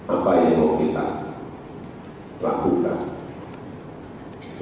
apa yang mau kita lakukan